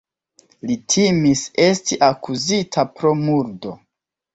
Li timis esti akuzita pro murdo.